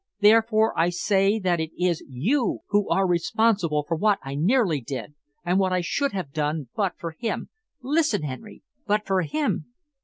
Therefore, I say that it is you who are responsible for what I nearly did, and what I should have done but for him listen, Henry but for him!"